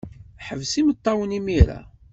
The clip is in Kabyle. Ḥbes imeṭṭawen imir-a.